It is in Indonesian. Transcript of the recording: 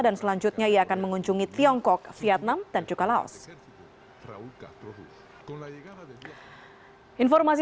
dan selanjutnya ia akan mengunjungi tiongkok vietnam dan juga laos